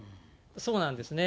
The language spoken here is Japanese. そうなんですね。